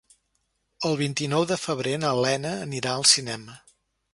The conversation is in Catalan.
El vint-i-nou de febrer na Lena anirà al cinema.